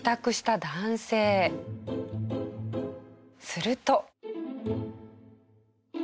すると。